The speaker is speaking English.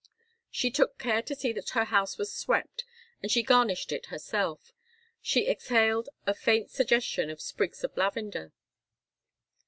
She took care to see that her house was swept, and she garnished it herself. She exhaled a faint suggestion of sprigs of lavender.